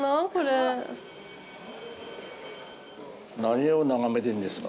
何を眺めているんですか？